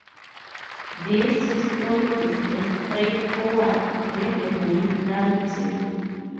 This history is a straightforward, readable narrative.